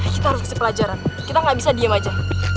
kita harus berpelajaran kita gak bisa diem aja